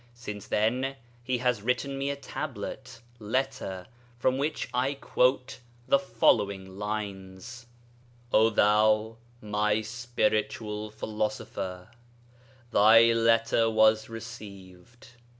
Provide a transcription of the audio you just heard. Since then he has written me a Tablet (letter), from which I quote the following lines: 'O thou, my spiritual philosopher, 'Thy letter was received.